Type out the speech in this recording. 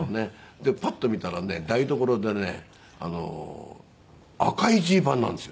でパッと見たらね台所でね赤いジーパンなんですよ。